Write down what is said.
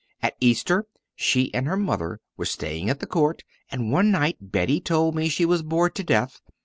At Easter she and her mother were staying at the Court, and one night Betty told me she was bored to death.